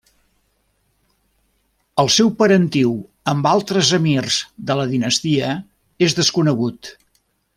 El seu parentiu amb altres emirs de la dinastia és desconegut.